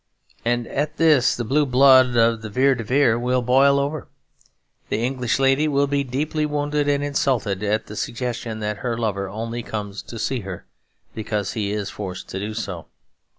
And at this the blue blood of the Vere de Veres will boil over; the English lady will be deeply wounded and insulted at the suggestion that her lover only comes to see her because he is forced to do so.